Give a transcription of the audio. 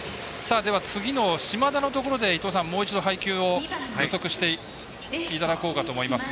では、次の島田のところでもう一度、配球を予測していただこうかと思います。